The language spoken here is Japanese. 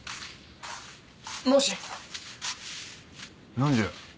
何じゃ？